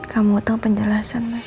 kamu utang penjelasan mas